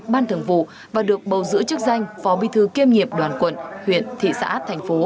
ban thường vụ và được bầu giữ chức danh phó bi thư kiêm nhiệm đoàn quận huyện thị xã thành phố